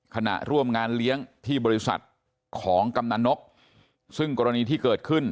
ขณะร่วมงานเลี้ยงที่บริษัทของกำนันนกซึ่งกรณีที่เกิดขึ้น